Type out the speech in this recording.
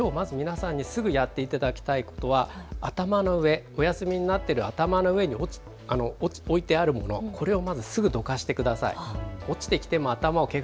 きょうまず皆さんにすぐやっていただきたいことは頭の上、お休みになっている頭の上に置いてあるもの、これをまずすぐにどかしてください。